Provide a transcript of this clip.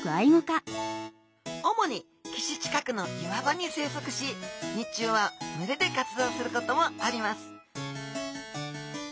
主に岸近くの岩場に生息し日中は群れで活動することもあります